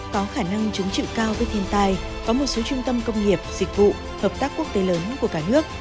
có khả năng chứng trị cao với thiên tai có một số trung tâm công nghiệp dịch vụ hợp tác quốc tế lớn của cả nước